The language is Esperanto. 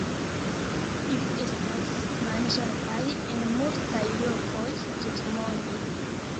Ili estas manĝataj en multaj lokoj tutmonde.